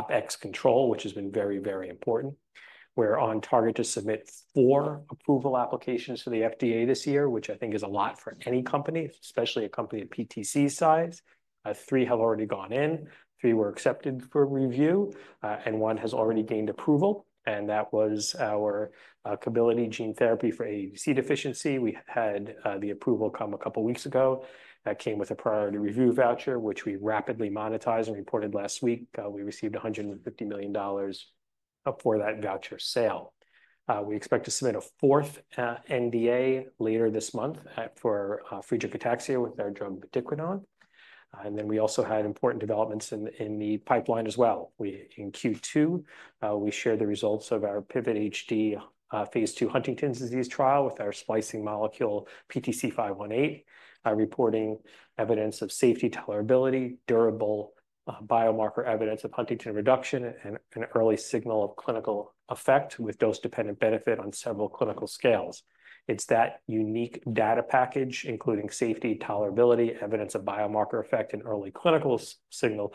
OpEx control, which has been very, very important. We're on target to submit four approval applications to the FDA this year, which I think is a lot for any company, especially a company of PTC size. Three have already gone in, three were accepted for review, and one has already gained approval. And that was our Kebilidi Gene Therapy for AADC deficiency. We had the approval come a couple of weeks ago. That came with a priority review voucher, which we rapidly monetized and reported last week. We received $150 million for that voucher sale. We expect to submit a fourth NDA later this month for Friedreich's ataxia with our drug vatiquinone. And then we also had important developments in the pipeline as well. In Q2, we shared the results of our PIVOT-HD phase II Huntington's disease trial with our splicing molecule PTC518, reporting evidence of safety, tolerability, durable biomarker evidence of huntingtin reduction, and an early signal of clinical effect with dose-dependent benefit on several clinical scales. It's that unique data package, including safety, tolerability, evidence of biomarker effect, and early clinical signal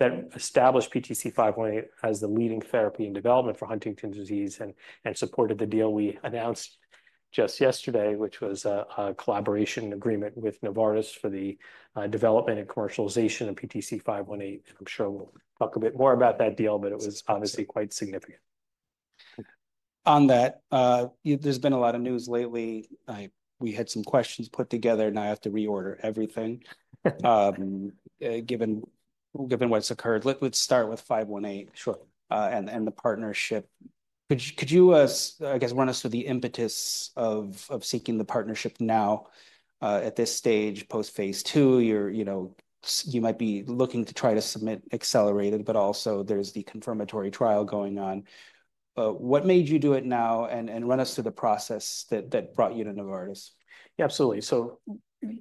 that established PTC518 as the leading therapy in development for Huntington's disease and supported the deal we announced just yesterday, which was a collaboration agreement with Novartis for the development and commercialization of PTC518. I'm sure we'll talk a bit more about that deal, but it was obviously quite significant. On that, there's been a lot of news lately. We had some questions put together, and I have to reorder everything given what's occurred. Let's start with 518. Sure. The partnership. Could you, I guess, run us through the impetus of seeking the partnership now at this stage, post phase II? You might be looking to try to submit accelerated, but also there's the confirmatory trial going on. What made you do it now? Run us through the process that brought you to Novartis. Yeah, absolutely. So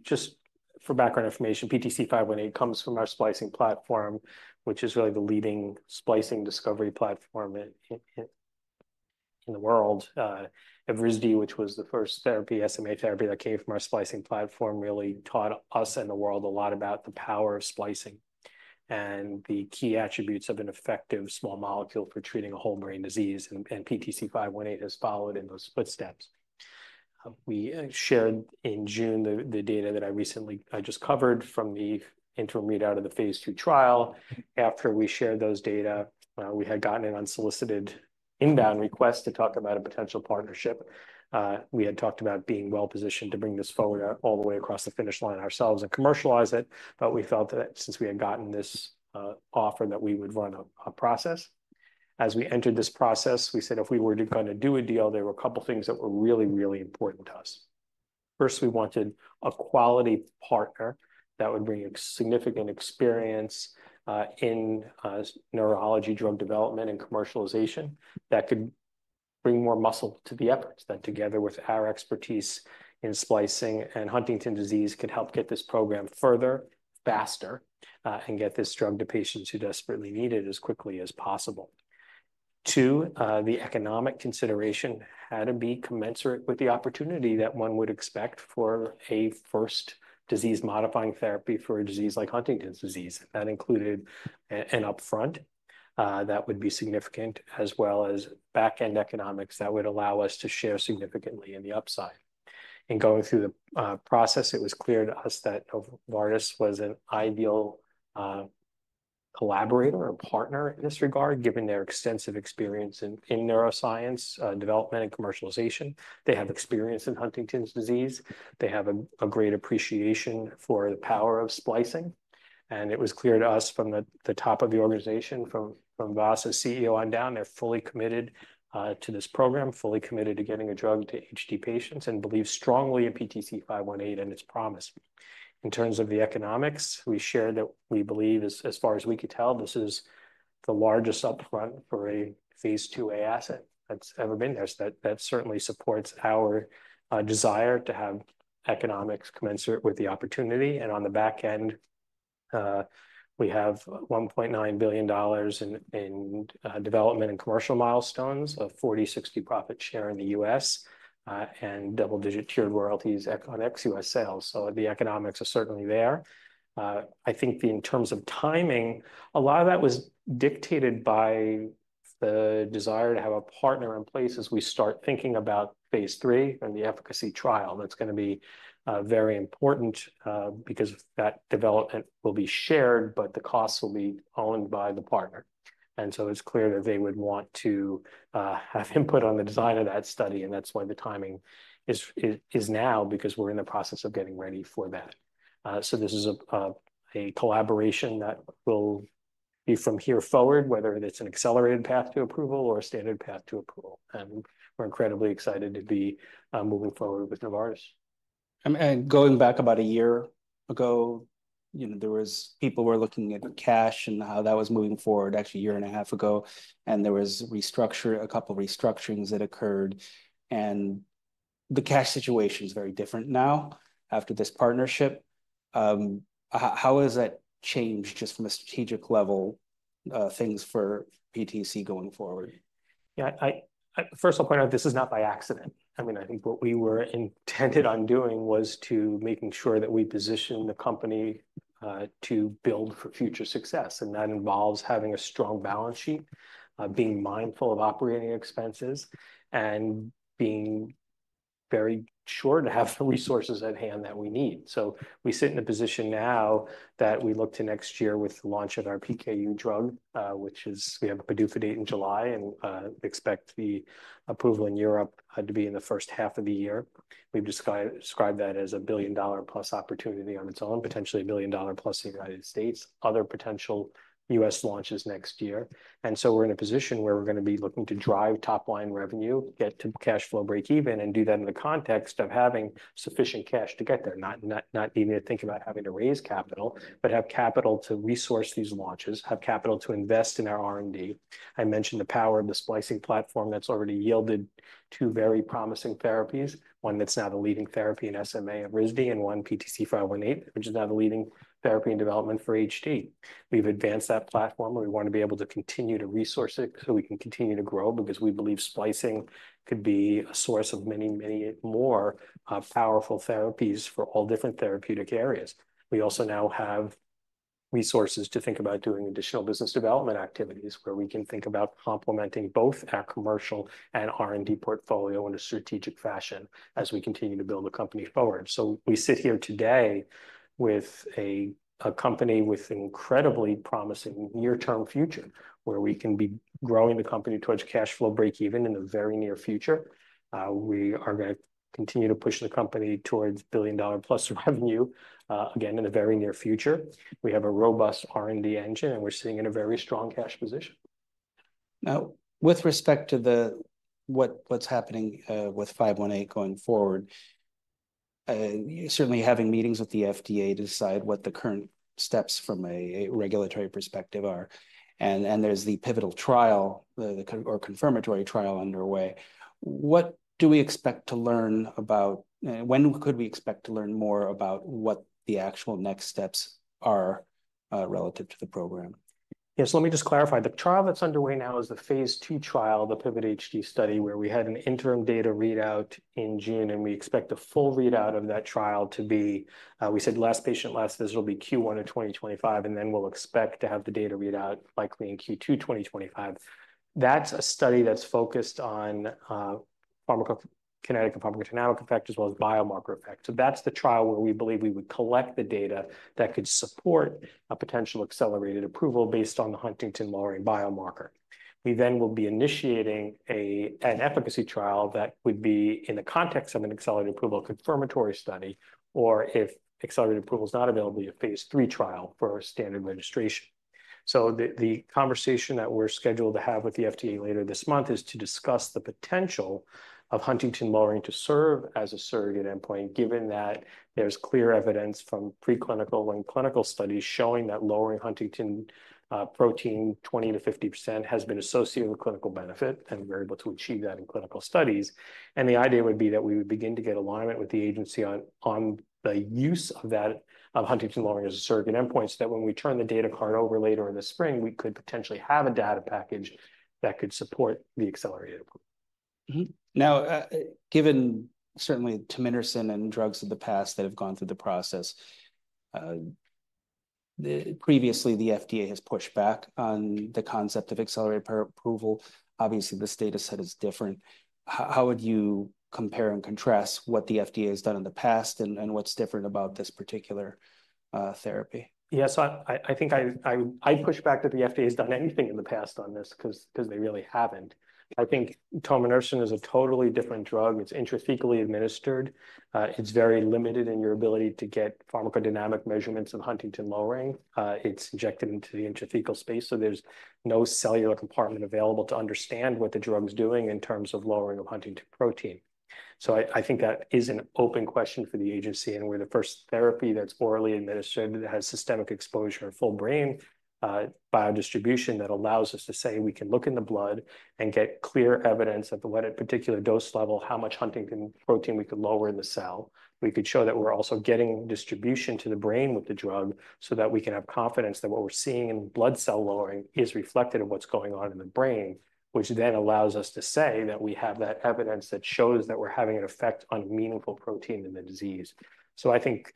just for background information, PTC518 comes from our splicing platform, which is really the leading splicing discovery platform in the world. Evrysdi, which was the first therapy, SMA therapy that came from our splicing platform, really taught us and the world a lot about the power of splicing and the key attributes of an effective small molecule for treating a whole brain disease. And PTC518 has followed in those footsteps. We shared in June the data that I just covered from the interim readout of the phase II trial. After we shared those data, we had gotten an unsolicited inbound request to talk about a potential partnership. We had talked about being well-positioned to bring this home all the way across the finish line ourselves and commercialize it. But we felt that since we had gotten this offer, that we would run a process. As we entered this process, we said if we were to kind of do a deal, there were a couple of things that were really, really important to us. First, we wanted a quality partner that would bring significant experience in neurology drug development and commercialization that could bring more muscle to the efforts that together with our expertise in splicing and Huntington's disease could help get this program further, faster, and get this drug to patients who desperately need it as quickly as possible. Two, the economic consideration had to be commensurate with the opportunity that one would expect for a first disease-modifying therapy for a disease like Huntington's disease. That included an upfront that would be significant, as well as back-end economics that would allow us to share significantly in the upside. In going through the process, it was clear to us that Novartis was an ideal collaborator or partner in this regard, given their extensive experience in neuroscience development and commercialization. They have experience in Huntington's disease. They have a great appreciation for the power of splicing, and it was clear to us from the top of the organization, from Vas CEO on down, they're fully committed to this program, fully committed to getting a drug to HD patients, and believe strongly in PTC518 and its promise. In terms of the economics, we shared that we believe, as far as we could tell, this is the largest upfront for a phase IIA asset that's ever been there. That certainly supports our desire to have economics commensurate with the opportunity. On the back end, we have $1.9 billion in development and commercial milestones of 40/60 profit share in the U.S. and double-digit tiered royalties on ex-U.S. sales. The economics are certainly there. I think in terms of timing, a lot of that was dictated by the desire to have a partner in place as we start thinking about phase 3 and the efficacy trial. That's going to be very important because that development will be shared, but the costs will be owned by the partner. It's clear that they would want to have input on the design of that study. That's why the timing is now, because we're in the process of getting ready for that. This is a collaboration that will be from here forward, whether it's an accelerated path to approval or a standard path to approval. We're incredibly excited to be moving forward with Novartis. And going back about a year ago, there were people looking at cash and how that was moving forward actually a year and a half ago. And there was a couple of restructurings that occurred. And the cash situation is very different now after this partnership. How has that changed just from a strategic level things for PTC going forward? Yeah, first I'll point out this is not by accident. I mean, I think what we intended on doing was to make sure that we position the company to build for future success, and that involves having a strong balance sheet, being mindful of operating expenses, and being very sure to have the resources at hand that we need, so we sit in a position now that we look to next year with the launch of our PKU drug, which is we have a PDUFA date in July and expect the approval in Europe to be in the first half of the year. We've described that as a billion-dollar-plus opportunity on its own, potentially a billion-dollar-plus in the United States, other potential U.S. launches next year. And so we're in a position where we're going to be looking to drive top-line revenue, get to cash flow break-even, and do that in the context of having sufficient cash to get there, not even to think about having to raise capital, but have capital to resource these launches, have capital to invest in our R&D. I mentioned the power of the splicing platform that's already yielded two very promising therapies, one that's now the leading therapy in SMA Evrysdi and one PTC518, which is now the leading therapy in development for HD. We've advanced that platform. We want to be able to continue to resource it so we can continue to grow because we believe splicing could be a source of many, many more powerful therapies for all different therapeutic areas. We also now have resources to think about doing additional business development activities where we can think about complementing both our commercial and R&D portfolio in a strategic fashion as we continue to build the company forward. So we sit here today with a company with an incredibly promising near-term future where we can be growing the company towards cash flow break-even in the very near future. We are going to continue to push the company towards billion-dollar-plus revenue again in the very near future. We have a robust R&D engine, and we're sitting in a very strong cash position. Now, with respect to what's happening with 518 going forward, certainly having meetings with the FDA to decide what the current steps from a regulatory perspective are, and there's the pivotal trial or confirmatory trial underway. What do we expect to learn about? When could we expect to learn more about what the actual next steps are relative to the program? Yes, let me just clarify. The trial that's underway now is the phase II trial, the PIVOT-HD study, where we had an interim data readout in June, and we expect the full readout of that trial to be. We said last patient, last visit will be Q1 of 2025, and then we'll expect to have the data readout likely in Q2 2025. That's a study that's focused on pharmacokinetic and pharmacogenomic effect as well as biomarker effect. So that's the trial where we believe we would collect the data that could support a potential accelerated approval based on the huntingtin lowering biomarker. We then will be initiating an efficacy trial that would be in the context of an accelerated approval confirmatory study, or if accelerated approval is not available, a phase 3 trial for standard registration. So the conversation that we're scheduled to have with the FDA later this month is to discuss the potential of huntingtin lowering to serve as a surrogate endpoint, given that there's clear evidence from preclinical and clinical studies showing that lowering huntingtin protein 20%-50% has been associated with clinical benefit, and we're able to achieve that in clinical studies. And the idea would be that we would begin to get alignment with the agency on the use of huntingtin lowering as a surrogate endpoint so that when we turn the data card over later in the spring, we could potentially have a data package that could support the accelerated approval. Now, given the history of Translarna and drugs of the past that have gone through the process, previously, the FDA has pushed back on the concept of accelerated approval. Obviously, the status quo is different. How would you compare and contrast what the FDA has done in the past and what's different about this particular therapy? Yeah, so I think I push back that the FDA has done anything in the past on this because they really haven't. I think tominersen is a totally different drug. It's intrathecally administered. It's very limited in your ability to get pharmacodynamic measurements of huntingtin lowering. It's injected into the intrathecal space, so there's no cellular compartment available to understand what the drug is doing in terms of lowering of huntingtin protein. So I think that is an open question for the agency, and we're the first therapy that's orally administered that has systemic exposure in full brain biodistribution that allows us to say we can look in the blood and get clear evidence at what particular dose level, how much huntingtin protein we could lower in the cell. We could show that we're also getting distribution to the brain with the drug so that we can have confidence that what we're seeing in blood cell lowering is reflected in what's going on in the brain, which then allows us to say that we have that evidence that shows that we're having an effect on meaningful protein in the disease. So I think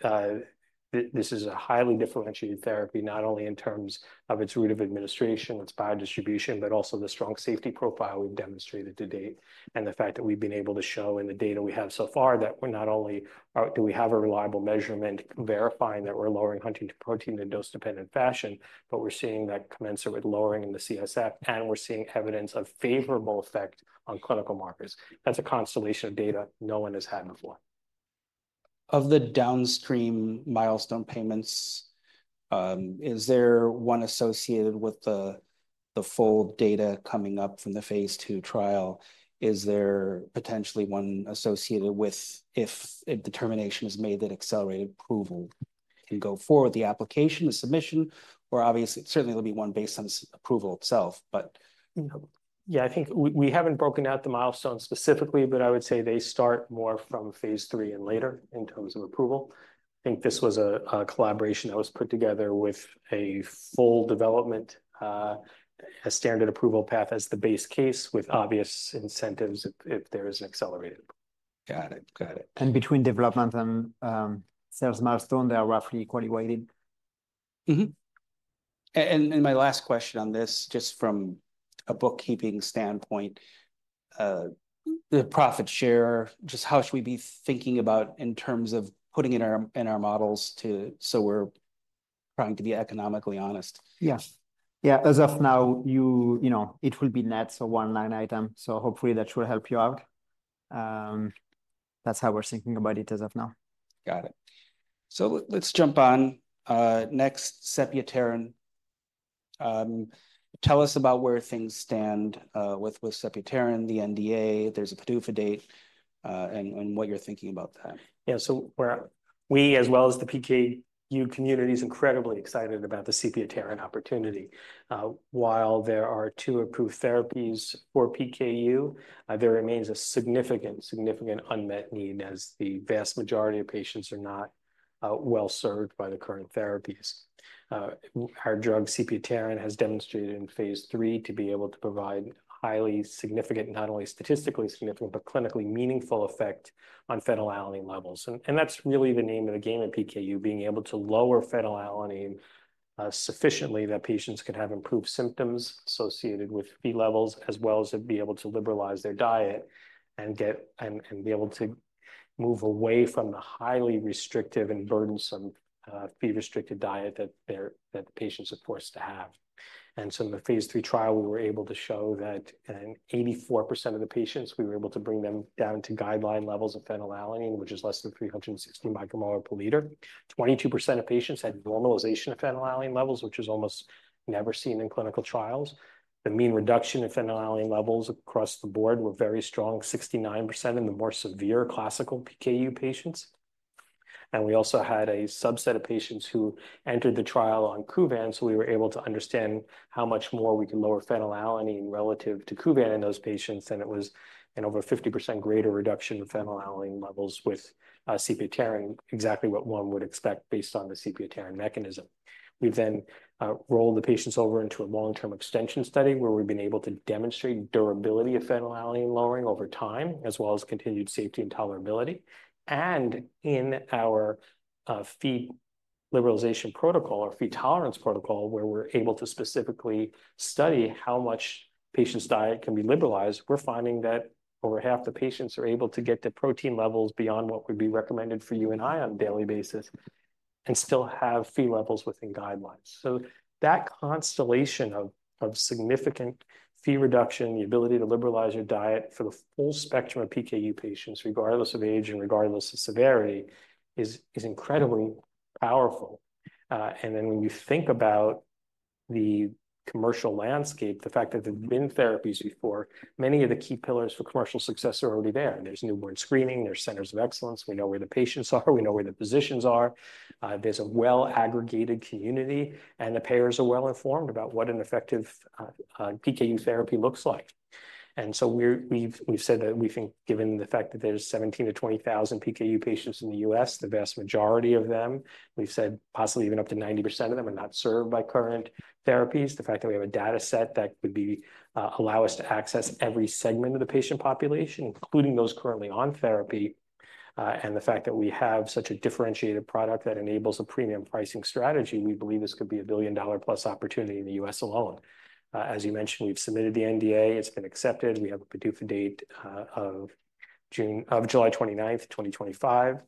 this is a highly differentiated therapy, not only in terms of its route of administration, its biodistribution, but also the strong safety profile we've demonstrated to date and the fact that we've been able to show in the data we have so far that we're not only do we have a reliable measurement verifying that we're lowering huntingtin protein in a dose-dependent fashion, but we're seeing that commensurate lowering in the CSF, and we're seeing evidence of favorable effect on clinical markers. That's a constellation of data no one has had before. Of the downstream milestone payments, is there one associated with the full data coming up from the phase II trial? Is there potentially one associated with if a determination is made that accelerated approval can go forward, the application, the submission, or obviously, certainly there'll be one based on approval itself, but. Yeah, I think we haven't broken out the milestones specifically, but I would say they start more from phase III and later in terms of approval. I think this was a collaboration that was put together with a full development, a standard approval path as the base case with obvious incentives if there is an accelerated. Got it. Got it. And between development and sales milestone, they are roughly equally weighted. Mm-hmm. My last question on this, just from a bookkeeping standpoint, the profit share, just how should we be thinking about in terms of putting in our models so we're trying to be economically honest? Yes. Yeah, as of now, you know it will be nets or one line item. So hopefully that should help you out. That's how we're thinking about it as of now. Got it. So let's jump on. Next, sepiapterin. Tell us about where things stand with sepiapterin, the NDA. There's a PDUFA date and what you're thinking about that. Yeah, so we, as well as the PKU community, are incredibly excited about the sepiapterin opportunity. While there are two approved therapies for PKU, there remains a significant, significant unmet need as the vast majority of patients are not well served by the current therapies. Our drug, sepiapterin, has demonstrated in phase III to be able to provide highly significant, not only statistically significant, but clinically meaningful effect on phenylalanine levels. And that's really the name of the game of PKU, being able to lower phenylalanine sufficiently that patients can have improved symptoms associated with phenylalanine levels, as well as be able to liberalize their diet and be able to move away from the highly restrictive and burdensome phenylalanine-restricted diet that the patients are forced to have. And so in the phase III trial, we were able to show that in 84% of the patients, we were able to bring them down to guideline levels of phenylalanine, which is less than 360 micromolar per liter. 22% of patients had normalization of phenylalanine levels, which is almost never seen in clinical trials. The mean reduction of phenylalanine levels across the board were very strong, 69% in the more severe classical PKU patients. And we also had a subset of patients who entered the trial on Kuvan, so we were able to understand how much more we can lower phenylalanine relative to Kuvan in those patients. And it was an over 50% greater reduction of phenylalanine levels with sepiapterin, exactly what one would expect based on the sepiapterin mechanism. We then rolled the patients over into a long-term extension study where we've been able to demonstrate durability of phenylalanine lowering over time, as well as continued safety and tolerability, and in our Phe liberalization protocol or Phe tolerance protocol, where we're able to specifically study how much patients' diet can be liberalized, we're finding that over half the patients are able to get to protein levels beyond what would be recommended for you and I on a daily basis and still have Phe levels within guidelines, so that constellation of significant Phe reduction, the ability to liberalize your diet for the full spectrum of PKU patients, regardless of age and regardless of severity, is incredibly powerful, and then when you think about the commercial landscape, the fact that there have been therapies before, many of the key pillars for commercial success are already there. There's newborn screening, there's centers of excellence. We know where the patients are, we know where the physicians are. There's a well-aggregated community, and the payers are well informed about what an effective PKU therapy looks like. And so we've said that we think given the fact that there's 17,000-20,000 PKU patients in the U.S., the vast majority of them, we've said possibly even up to 90% of them are not served by current therapies. The fact that we have a data set that would allow us to access every segment of the patient population, including those currently on therapy, and the fact that we have such a differentiated product that enables a premium pricing strategy, we believe this could be a billion-dollar-plus opportunity in the U.S. alone. As you mentioned, we've submitted the NDA, it's been accepted. We have a PDUFA date of July 29, 2025.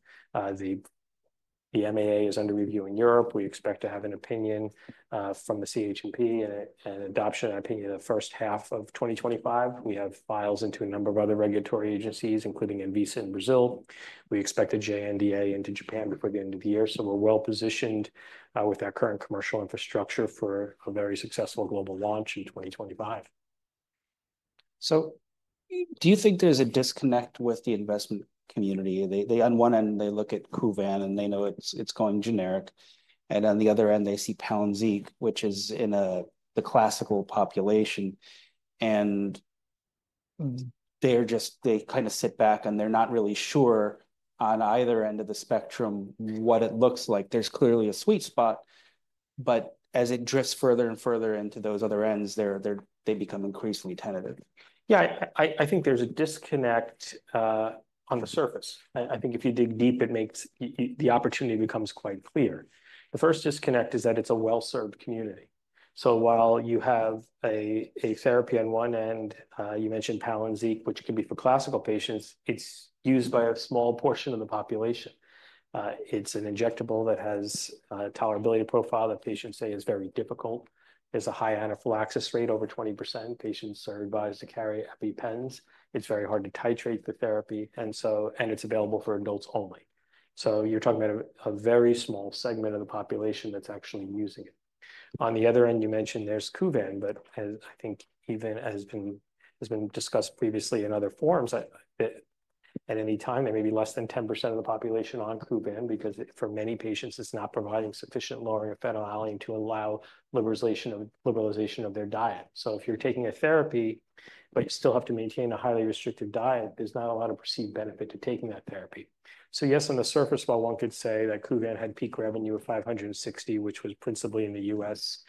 The MAA is under review in Europe. We expect to have an opinion from the CHMP and adoption opinion in the first half of 2025. We have filed into a number of other regulatory agencies, including ANVISA in Brazil. We expect a J-NDA into Japan before the end of the year. So we're well positioned with our current commercial infrastructure for a very successful global launch in 2025. So do you think there's a disconnect with the investment community? On one end, they look at Kuvan and they know it's going generic. And on the other end, they see Palynziq, which is in the classical population. And they kind of sit back and they're not really sure on either end of the spectrum what it looks like. There's clearly a sweet spot, but as it drifts further and further into those other ends, they become increasingly tentative. Yeah, I think there's a disconnect on the surface. I think if you dig deep, the opportunity becomes quite clear. The first disconnect is that it's a well-served community. So while you have a therapy on one end, you mentioned Palynziq, which can be for classical patients, it's used by a small portion of the population. It's an injectable that has a tolerability profile that patients say is very difficult. There's a high anaphylaxis rate, over 20%. Patients are advised to carry EpiPens. It's very hard to titrate the therapy, and it's available for adults only. So you're talking about a very small segment of the population that's actually using it. On the other end, you mentioned there's Kuvan, but I think even as has been discussed previously in other forums, at any time, there may be less than 10% of the population on Kuvan because for many patients, it's not providing sufficient lowering of phenylalanine to allow liberalization of their diet. So if you're taking a therapy, but you still have to maintain a highly restrictive diet, there's not a lot of perceived benefit to taking that therapy. So yes, on the surface, while one could say that Kuvan had peak revenue of $560 million, which was principally in the U.S.,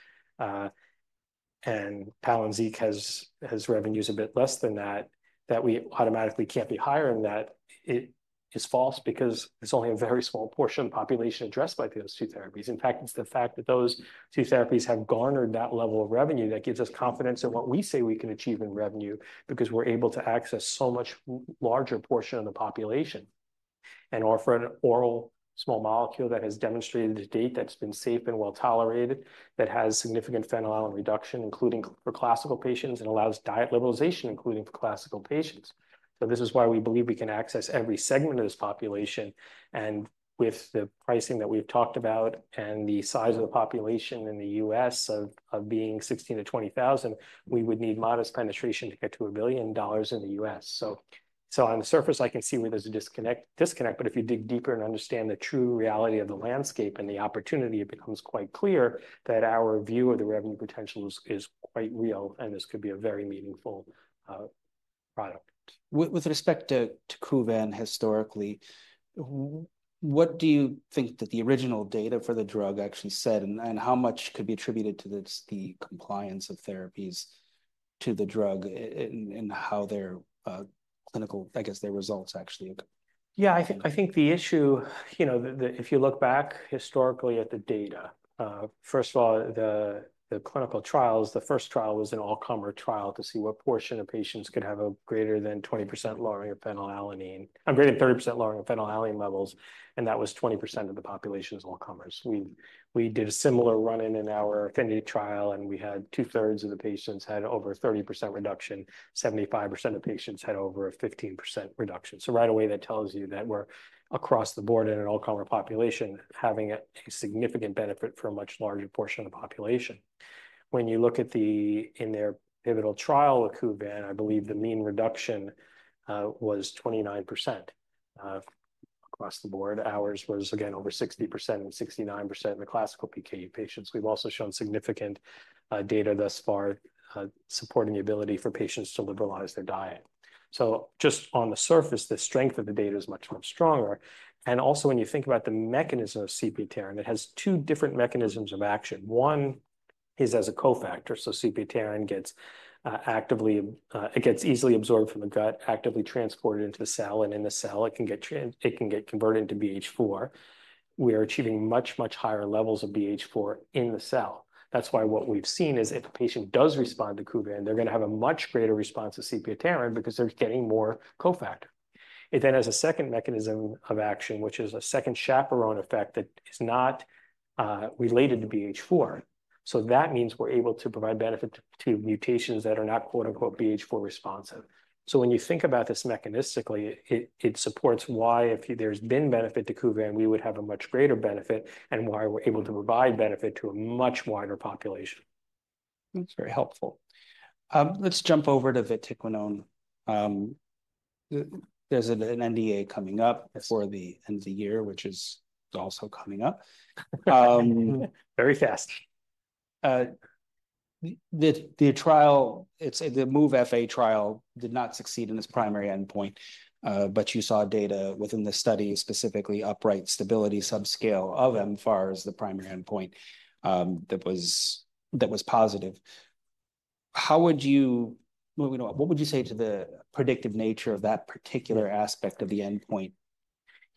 and Palynziq has revenues a bit less than that, that we automatically can't be higher than that, it is false because it's only a very small portion of the population addressed by those two therapies. In fact, it's the fact that those two therapies have garnered that level of revenue that gives us confidence in what we say we can achieve in revenue because we're able to access so much larger portion of the population and offer an oral small molecule that has demonstrated to date that's been safe and well tolerated, that has significant phenylalanine reduction, including for classical patients, and allows diet liberalization, including for classical patients. So this is why we believe we can access every segment of this population. And with the pricing that we've talked about and the size of the population in the U.S. of being 16,000-20,000, we would need modest penetration to get to $1 billion in the U.S. So on the surface, I can see where there's a disconnect, but if you dig deeper and understand the true reality of the landscape and the opportunity, it becomes quite clear that our view of the revenue potential is quite real and this could be a very meaningful product. With respect to Kuvan historically, what do you think that the original data for the drug actually said, and how much could be attributed to the compliance of therapies to the drug, and how their clinical, I guess, their results actually? Yeah, I think the issue, you know, if you look back historically at the data, first of all, the clinical trials, the first trial was an all-comer trial to see what portion of patients could have a greater than 20% lowering of phenylalanine, a greater than 30% lowering of phenylalanine levels, and that was 20% of the population's all-comers. We did a similar run in our AFFINITY trial and we had two-thirds of the patients had over a 30% reduction, 75% of patients had over a 15% reduction. So right away, that tells you that we're across the board in an all-comer population having a significant benefit for a much larger portion of the population. When you look at then in their pivotal trial with Kuvan, I believe the mean reduction was 29% across the board. Ours was, again, over 60% and 69% in the classical PKU patients. We've also shown significant data thus far supporting the ability for patients to liberalize their diet. So just on the surface, the strength of the data is much more stronger. And also when you think about the mechanism of sepiapterin, it has two different mechanisms of action. One is as a cofactor, so sepiapterin gets actively easily absorbed from the gut, actively transported into the cell, and in the cell, it can get converted into BH4. We are achieving much, much higher levels of BH4 in the cell. That's why what we've seen is if a patient does respond to Kuvan, they're going to have a much greater response to sepiapterin because they're getting more cofactor. It then has a second mechanism of action, which is a second chaperone effect that is not related to BH4. So that means we're able to provide benefit to mutations that are not quote-unquote BH4 responsive. So when you think about this mechanistically, it supports why if there's been benefit to Kuvan, we would have a much greater benefit and why we're able to provide benefit to a much wider population. That's very helpful. Let's jump over to vatiquinone. There's an NDA coming up for the end of the year, which is also coming up. Very fast. The trial, the MOVE-FA trial did not succeed in its primary endpoint, but you saw data within the study, specifically upright stability subscale of mFARS as the primary endpoint that was positive. How would you, what would you say to the predictive nature of that particular aspect of the endpoint?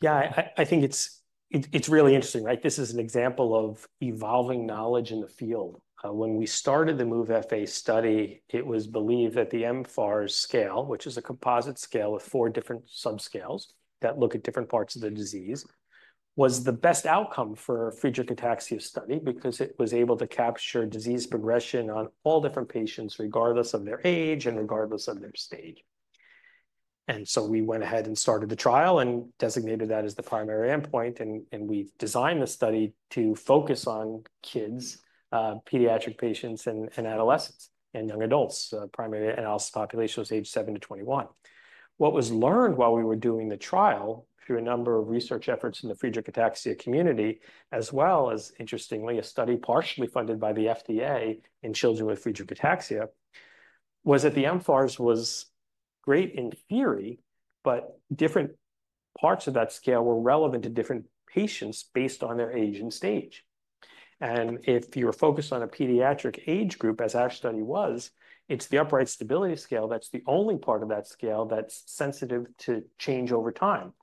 Yeah, I think it's really interesting, right? This is an example of evolving knowledge in the field. When we started the MOVE-FA study, it was believed that the mFARS scale, which is a composite scale with four different subscales that look at different parts of the disease, was the best outcome for Friedreich's ataxia study because it was able to capture disease progression on all different patients, regardless of their age and regardless of their stage. And so we went ahead and started the trial and designated that as the primary endpoint. And we designed the study to focus on kids, pediatric patients, and adolescents and young adults. Primary analysis population was age 7 to 21. What was learned while we were doing the trial through a number of research efforts in the Friedreich's ataxia community, as well as, interestingly, a study partially funded by the FDA in children with Friedreich's ataxia, was that the mFARS was great in theory, but different parts of that scale were relevant to different patients based on their age and stage, and if you're focused on a pediatric age group, as our study was, it's the Upright Stability scale that's the only part of that scale that's sensitive to change over time.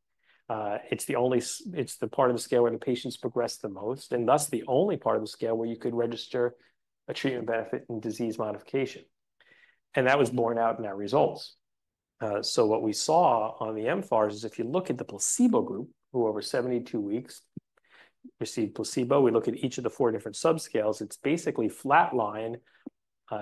It's the part of the scale where the patients progress the most and thus the only part of the scale where you could register a treatment benefit and disease modification, and that was borne out in our results. So what we saw on the mFARS is if you look at the placebo group, who over 72 weeks received placebo, we look at each of the four different subscales, it's basically flatline,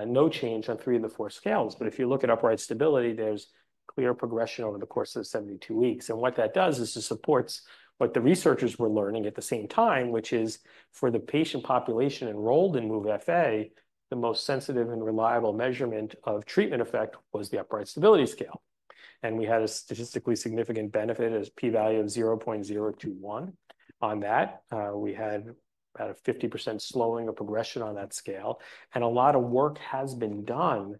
no change on three of the four scales. But if you look at Upright Stability, there's clear progression over the course of 72 weeks. And what that does is it supports what the researchers were learning at the same time, which is for the patient population enrolled in MOVE-FA, the most sensitive and reliable measurement of treatment effect was the Upright Stability scale. And we had a statistically significant benefit as p-value of 0.021 on that. We had about a 50% slowing of progression on that scale. And a lot of work has been done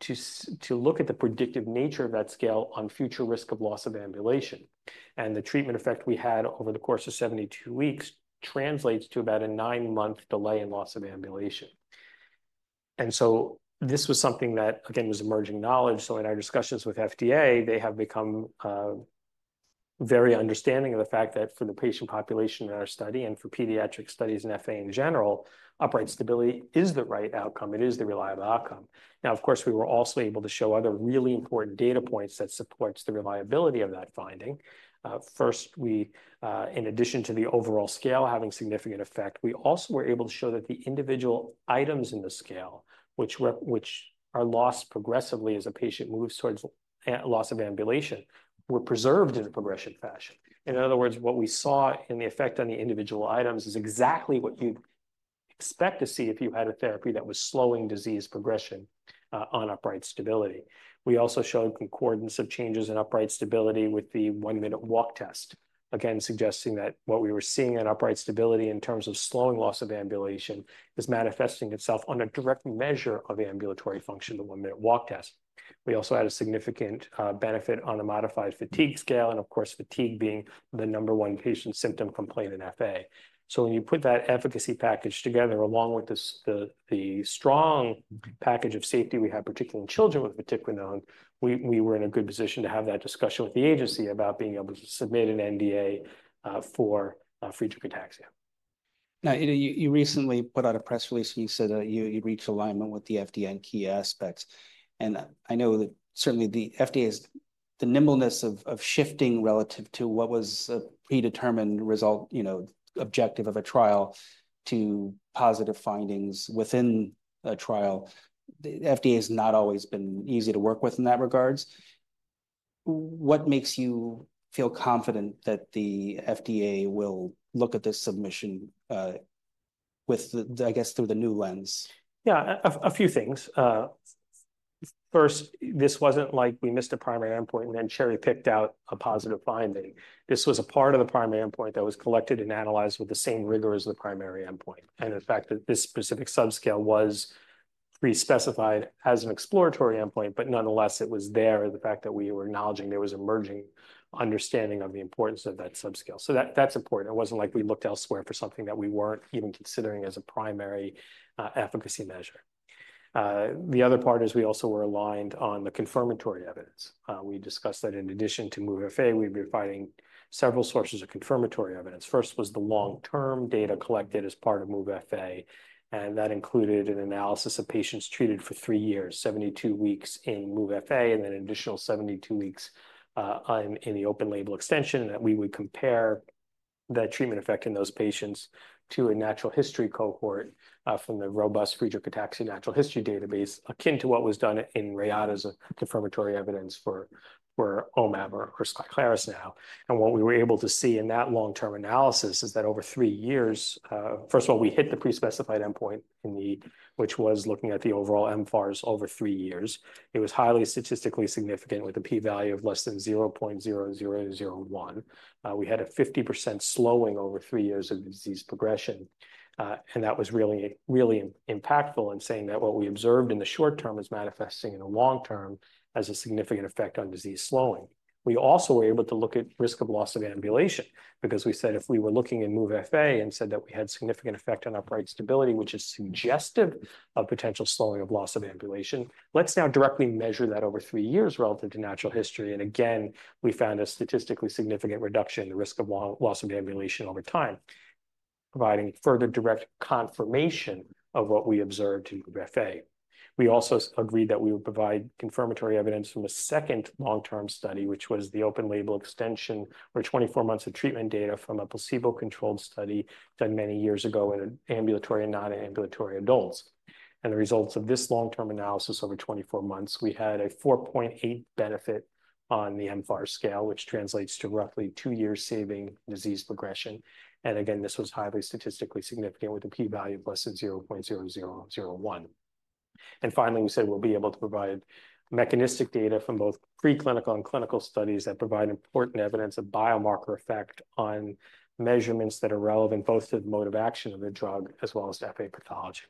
to look at the predictive nature of that scale on future risk of loss of ambulation. The treatment effect we had over the course of 72 weeks translates to about a nine-month delay in loss of ambulation. This was something that, again, was emerging knowledge. In our discussions with FDA, they have become very understanding of the fact that for the patient population in our study and for pediatric studies in FA in general, upright stability is the right outcome. It is the reliable outcome. Now, of course, we were also able to show other really important data points that support the reliability of that finding. First, in addition to the overall scale having significant effect, we also were able to show that the individual items in the scale, which are lost progressively as a patient moves towards loss of ambulation, were preserved in a progressive fashion. In other words, what we saw in the effect on the individual items is exactly what you'd expect to see if you had a therapy that was slowing disease progression on upright stability. We also showed concordance of changes in upright stability with the one-minute walk test, again, suggesting that what we were seeing in upright stability in terms of slowing loss of ambulation is manifesting itself on a direct measure of ambulatory function, the one-minute walk test. We also had a significant benefit on the Modified Fatigue Scale, and of course, fatigue being the number one patient symptom complaint in FA. So when you put that efficacy package together along with the strong package of safety we have, particularly in children with vatiquinone, we were in a good position to have that discussion with the agency about being able to submit an NDA for Friedreich's ataxia. Now, you recently put out a press release and you said that you reached alignment with the FDA and key aspects. And I know that certainly the FDA's nimbleness of shifting relative to what was a predetermined result, objective of a trial to positive findings within a trial, the FDA has not always been easy to work with in that regards. What makes you feel confident that the FDA will look at this submission with, I guess, through the new lens? Yeah, a few things. First, this wasn't like we missed a primary endpoint and then cherry-picked out a positive finding. This was a part of the primary endpoint that was collected and analyzed with the same rigor as the primary endpoint. And the fact that this specific subscale was pre-specified as an exploratory endpoint, but nonetheless, it was there, the fact that we were acknowledging there was emerging understanding of the importance of that subscale. So that's important. It wasn't like we looked elsewhere for something that we weren't even considering as a primary efficacy measure. The other part is we also were aligned on the confirmatory evidence. We discussed that in addition to MOVE-FA, we were finding several sources of confirmatory evidence. First was the long-term data collected as part of MOVE-FA, and that included an analysis of patients treated for three years, 72 weeks in MOVE-FA, and then an additional 72 weeks in the open label extension, and that we would compare that treatment effect in those patients to a natural history cohort from the robust Friedreich's ataxia natural history database, akin to what was done in Reata's confirmatory evidence for omaveloxolone or Skyclarys now. What we were able to see in that long-term analysis is that over three years, first of all, we hit the pre-specified endpoint in the, which was looking at the overall mFARS over three years. It was highly statistically significant with a p-value of less than 0.0001. We had a 50% slowing over three years of disease progression. That was really, really impactful in saying that what we observed in the short term is manifesting in the long term as a significant effect on disease slowing. We also were able to look at risk of loss of ambulation because we said if we were looking in MOVE-FA and said that we had significant effect on Upright Stability, which is suggestive of potential slowing of loss of ambulation, let's now directly measure that over three years relative to natural history. Again, we found a statistically significant reduction in the risk of loss of ambulation over time, providing further direct confirmation of what we observed in MOVE-FA. We also agreed that we would provide confirmatory evidence from a second long-term study, which was the open label extension or 24 months of treatment data from a placebo-controlled study done many years ago in ambulatory and non-ambulatory adults. And the results of this long-term analysis over 24 months, we had a 4.8 benefit on the mFARS scale, which translates to roughly two years saving disease progression. And again, this was highly statistically significant with a p-value of less than 0.0001. And finally, we said we'll be able to provide mechanistic data from both preclinical and clinical studies that provide important evidence of biomarker effect on measurements that are relevant both to the mode of action of the drug as well as FA pathology.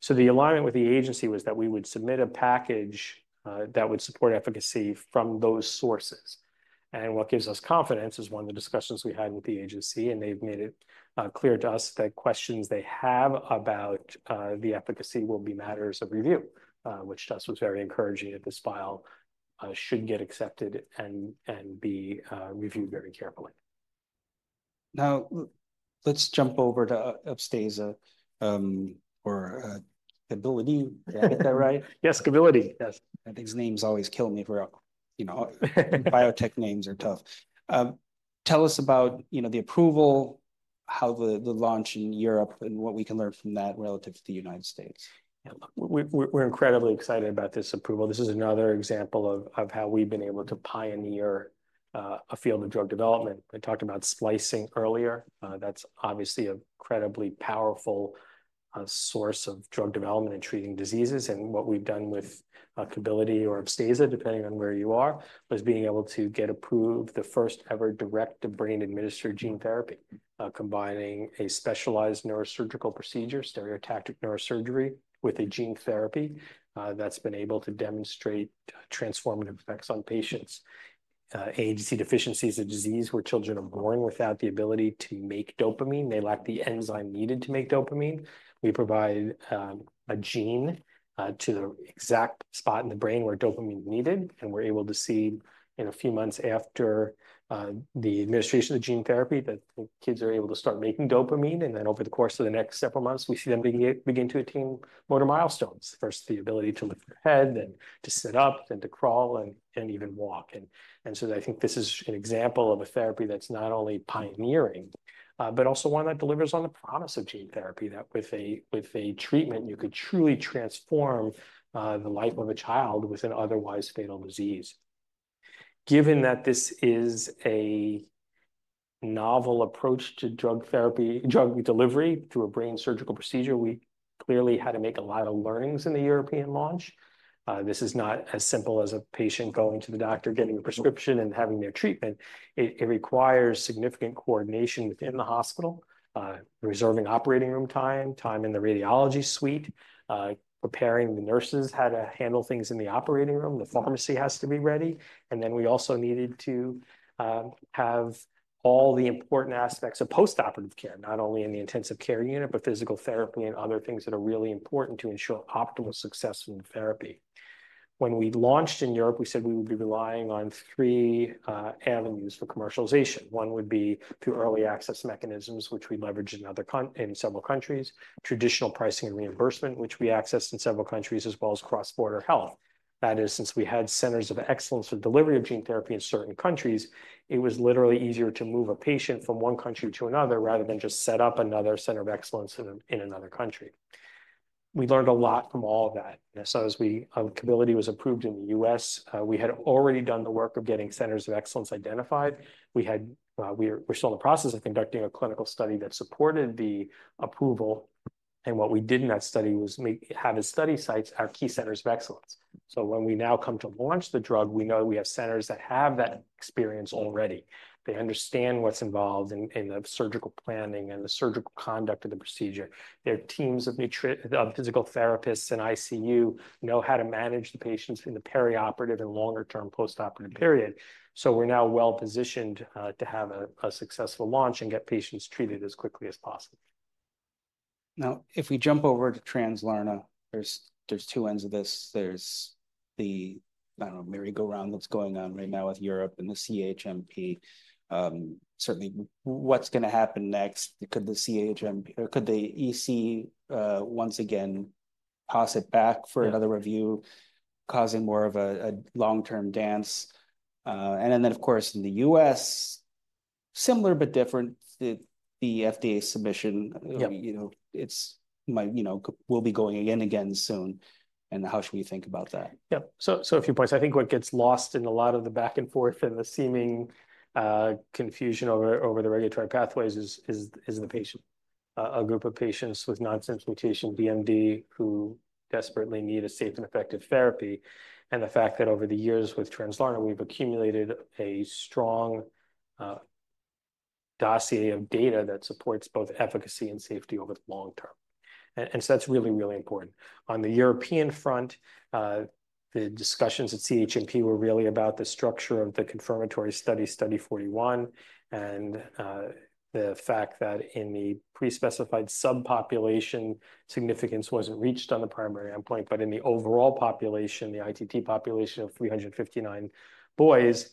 So the alignment with the agency was that we would submit a package that would support efficacy from those sources. What gives us confidence is one of the discussions we had with the agency, and they've made it clear to us that questions they have about the efficacy will be matters of review, which to us was very encouraging that this file should get accepted and be reviewed very carefully. Now, let's jump over to Upstaza or Kebilidi. Did I get that right? Yes, Kebilidi. I think these names always kill me, you know, biotech names are tough. Tell us about, you know, the approval, how the launch in Europe, and what we can learn from that relative to the United States. We're incredibly excited about this approval. This is another example of how we've been able to pioneer a field of drug development. We talked about splicing earlier. That's obviously an incredibly powerful source of drug development and treating diseases. And what we've done with Kebilidi or Upstaza, depending on where you are, was being able to get approved the first ever direct-to-brain administered gene therapy, combining a specialized neurosurgical procedure, stereotactic neurosurgery with a gene therapy that's been able to demonstrate transformative effects on patients. AADC deficiency, a disease where children are born without the ability to make dopamine. They lack the enzyme needed to make dopamine. We provide a gene to the exact spot in the brain where dopamine is needed, and we're able to see in a few months after the administration of the gene therapy that the kids are able to start making dopamine. Over the course of the next several months, we see them begin to attain motor milestones. First, the ability to lift their head, then to sit up, then to crawl, and even walk. I think this is an example of a therapy that's not only pioneering, but also one that delivers on the promise of gene therapy that with a treatment, you could truly transform the life of a child with an otherwise fatal disease. Given that this is a novel approach to drug delivery through a brain surgical procedure, we clearly had to make a lot of learnings in the European launch. This is not as simple as a patient going to the doctor, getting a prescription, and having their treatment. It requires significant coordination within the hospital, reserving operating room time, time in the radiology suite, preparing the nurses how to handle things in the operating room, the pharmacy has to be ready, and then we also needed to have all the important aspects of postoperative care, not only in the intensive care unit, but physical therapy and other things that are really important to ensure optimal success in therapy. When we launched in Europe, we said we would be relying on three avenues for commercialization. One would be through early access mechanisms, which we leveraged in several countries, traditional pricing and reimbursement, which we accessed in several countries, as well as cross-border health. That is, since we had centers of excellence for delivery of gene therapy in certain countries, it was literally easier to move a patient from one country to another rather than just set up another center of excellence in another country. We learned a lot from all of that, so as Kebilidi was approved in the U.S., we had already done the work of getting centers of excellence identified. We're still in the process of conducting a clinical study that supported the approval, and what we did in that study was have as study sites our key centers of excellence, so when we now come to launch the drug, we know that we have centers that have that experience already. They understand what's involved in the surgical planning and the surgical conduct of the procedure. There are teams of physical therapists in ICU who know how to manage the patients in the perioperative and longer-term postoperative period, so we're now well-positioned to have a successful launch and get patients treated as quickly as possible. Now, if we jump over to Translarna, there's two ends of this. There's the, I don't know, merry-go-round that's going on right now with Europe and the CHMP. Certainly, what's going to happen next? Could the EC once again toss it back for another review, causing more of a long-term dance? And then, of course, in the U.S., similar but different, the FDA submission, it's my, you know, will be going in again soon. And how should we think about that? Yeah, so a few points. I think what gets lost in a lot of the back and forth and the seeming confusion over the regulatory pathways is the patient, a group of patients with nonsense mutation, DMD, who desperately need a safe and effective therapy, and the fact that over the years with Translarna, we've accumulated a strong dossier of data that supports both efficacy and safety over the long term, and so that's really, really important. On the European front, the discussions at CHMP were really about the structure of the confirmatory study, study 41, and the fact that in the pre-specified subpopulation, significance wasn't reached on the primary endpoint, but in the overall population, the ITT population of 359 boys,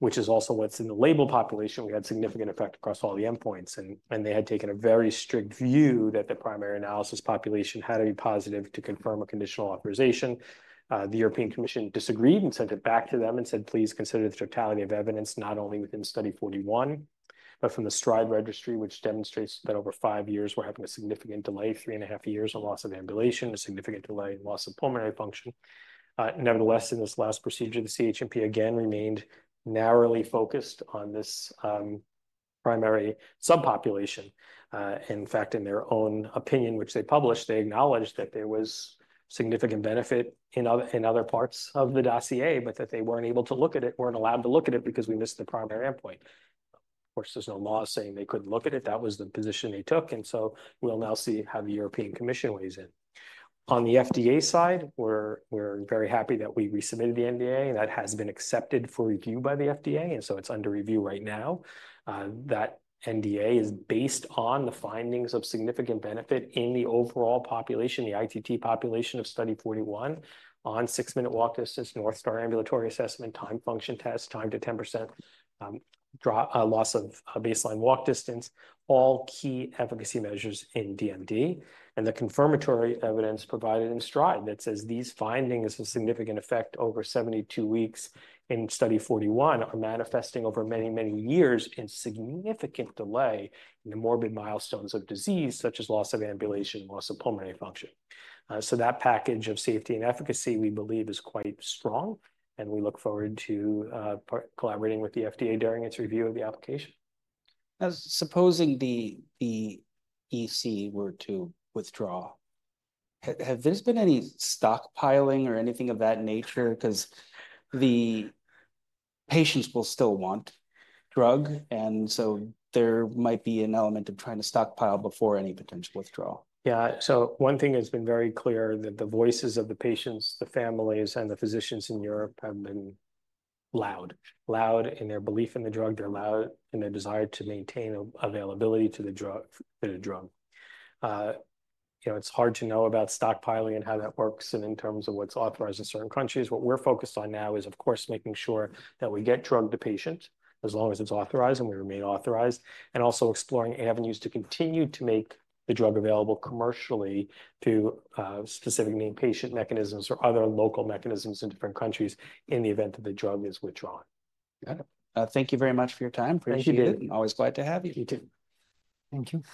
which is also what's in the label population, we had significant effect across all the endpoints. They had taken a very strict view that the primary analysis population had to be positive to confirm a conditional authorization. The European Commission disagreed and sent it back to them and said, "Please consider the totality of evidence not only within study 41, but from the STRIDE registry, which demonstrates that over five years, we're having a significant delay, three and a half years of loss of ambulation, a significant delay in loss of pulmonary function." Nevertheless, in this last procedure, the CHMP again remained narrowly focused on this primary subpopulation. In fact, in their own opinion, which they published, they acknowledged that there was significant benefit in other parts of the dossier, but that they weren't able to look at it, weren't allowed to look at it because we missed the primary endpoint. Of course, there's no law saying they couldn't look at it. That was the position they took, and so we'll now see how the European Commission weighs in. On the FDA side, we're very happy that we resubmitted the NDA, and that has been accepted for review by the FDA, and so it's under review right now. That NDA is based on the findings of significant benefit in the overall population, the ITT population of study 41 on six-minute walk distance, North Star Ambulatory Assessment, Timed Function Test, time to 10% loss of baseline walk distance, all key efficacy measures in DMD, and the confirmatory evidence provided in STRIDE that says these findings of significant effect over 72 weeks in study 41 are manifesting over many, many years in significant delay in the morbid milestones of disease such as loss of ambulation, loss of pulmonary function, so that package of safety and efficacy, we believe, is quite strong. We look forward to collaborating with the FDA during its review of the application. Supposing the EC were to withdraw, have there been any stockpiling or anything of that nature? Because the patients will still want drug, and so there might be an element of trying to stockpile before any potential withdrawal. Yeah, so one thing has been very clear that the voices of the patients, the families, and the physicians in Europe have been loud. Loud in their belief in the drug. They're loud in their desire to maintain availability to the drug. You know, it's hard to know about stockpiling and how that works in terms of what's authorized in certain countries. What we're focused on now is, of course, making sure that we get drug to patients as long as it's authorized and we remain authorized, and also exploring avenues to continue to make the drug available commercially to specifically patient mechanisms or other local mechanisms in different countries in the event that the drug is withdrawn. Got it. Thank you very much for your time. Appreciate it. Thank you, David. Always glad to have you. You too. Thank you.